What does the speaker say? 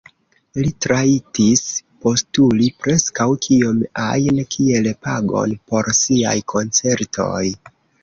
Li rajtis postuli preskaŭ kiom ajn kiel pagon por siaj koncertoj.